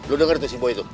lo denger tuh si boy itu